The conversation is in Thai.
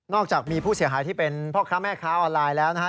จากมีผู้เสียหายที่เป็นพ่อค้าแม่ค้าออนไลน์แล้วนะฮะ